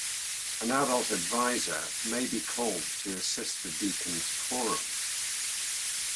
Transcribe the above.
An adult advisor may be called to assist the deacons quorum.